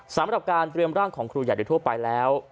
สำหรับการเตรียมร่างของครูใหญ่โดยทั่วไปแล้ว